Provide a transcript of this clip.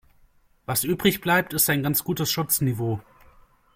Was übrig bleibt, ist ein ganz gutes Schutzniveau.